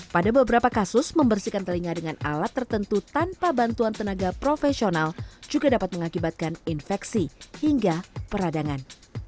pada beberapa kasus membersihkan telinga dengan alat tertentu tanpa bantuan tenaga profesional juga dapat mengakibatkan infeksi hingga peradangan